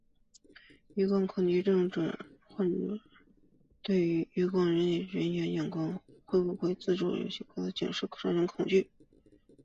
余光恐惧症患者却对余光内的人们的眼光会不自主的有高度警觉进而产生了恐惧。